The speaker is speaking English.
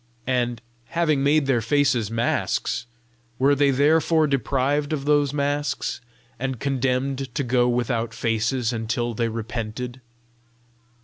and, having made their faces masks, were they therefore deprived of those masks, and condemned to go without faces until they repented?